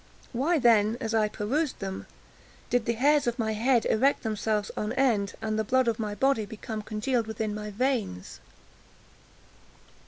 Why then, as I perused them, did the hairs of my head erect themselves on end, and the blood of my body become congealed within my veins?